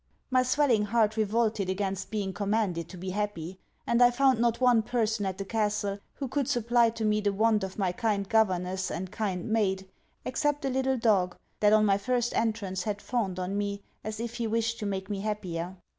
My swelling heart revolted against being commanded to be happy; and I found not one person at the Castle who could supply to me the want of my kind governess and kind maid, except a little dog that on my first entrance had fawned on me as if he wished to make me happier.